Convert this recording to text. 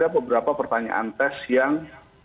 beberapa pertanyaan tes yang